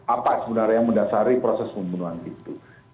apa sebenarnya yang mendasari proses pembunuhan itu